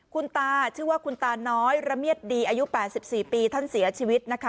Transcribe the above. คุณตาชื่อว่าคุณตาน้อยระเมียดดีอายุ๘๔ปีท่านเสียชีวิตนะคะ